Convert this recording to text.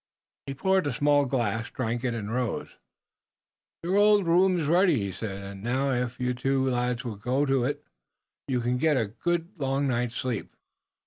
He poured a small glass, drank it, and rose. "Your old room iss ready," he said, "und now, if you two lads will go to it, you can get a good und long night's sleep."